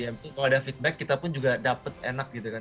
kalau edm itu kalau ada feedback kita pun juga dapat enak gitu kan